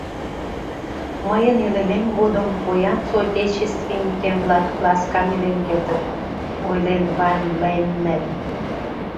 — Мыйын илымем годым поян соотечественникем-влак ласкан илен кертыт, — ойлен Ван-Леннеп.